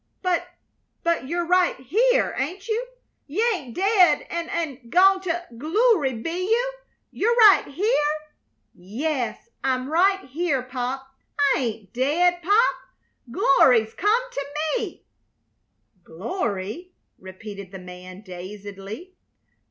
"But but you're right here, ain't you? You ain't dead, an' an' gone to gl oo ry, be you? You're right here?" "Yes, I'm right here, Pop. I ain't dead! Pop glory's come to me!" "Glory?" repeated the man, dazedly.